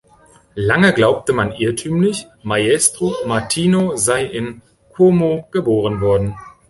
Lange glaubte man irrtümlich, Maestro Martino sei in Como geboren worden.